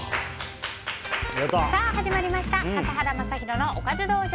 始まりました笠原将弘のおかず道場。